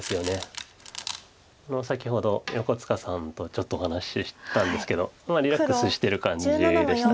先ほど横塚さんとちょっとお話ししたんですけどリラックスしてる感じでした。